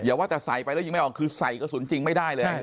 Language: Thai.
ว่าแต่ใส่ไปแล้วยิงไม่ออกคือใส่กระสุนจริงไม่ได้เลย